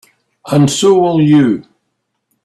And so will you.